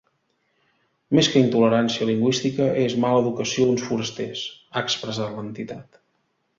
“Més que intolerància lingüística és mala educació d’uns forasters”, ha expressat l’entitat.